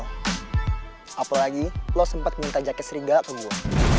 apalagi lo sempat minta jaket seriga ke gue